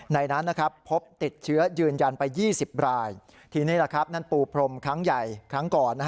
ในนั้นพบติดเชื้อยืนยันไป๒๐รายทีนี้นั่นปูพรมครั้งใหญ่ครั้งก่อน